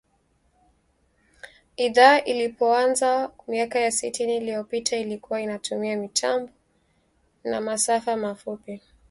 Idhaa ilipoanza miaka ya sitini iliyopita ilikua inatumia mitambo ya masafa mafupi